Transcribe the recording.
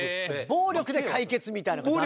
暴力で解決みたいなのがダメだと。